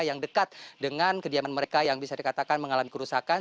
yang dekat dengan kediaman mereka yang bisa dikatakan mengalami kerusakan